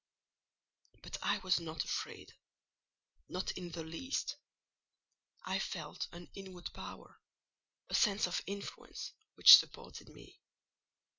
But I was not afraid: not in the least. I felt an inward power; a sense of influence, which supported me.